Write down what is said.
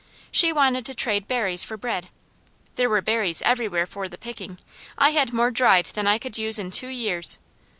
She wanted to trade berries for bread. There were berries everywhere for the picking; I had more dried than I could use in two years.